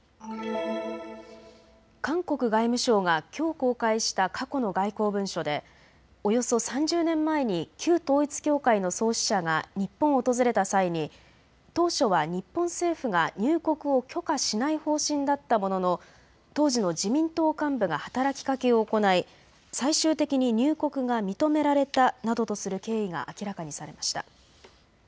韓国外務省がきょう公開した過去の外交文書でおよそ３０年前に旧統一教会の創始者が日本を訪れた際に当初は日本政府が入国を許可しない方針だったものの当時の自民党幹部が働きかけを行い、最終的に入国が認められたなどとする経緯が明らかにされました。